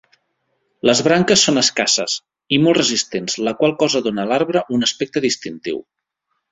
Les branques són escasses i molt resistents, la qual cosa dóna a l'arbre un aspecte distintiu.